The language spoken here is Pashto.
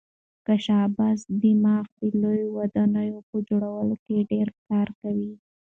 د شاه عباس دماغ د لویو ودانیو په جوړولو کې ډېر کار کاوه.